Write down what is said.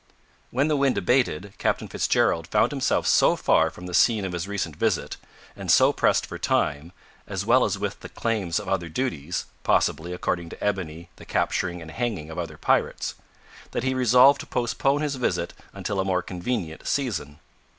When the wind abated, Captain Fitzgerald found himself so far from the scene of his recent visit, and so pressed for time, as well as with the claims of other duties possibly, according to Ebony, the capturing and hanging of other pirates that he resolved to postpone his visit until a more convenient season.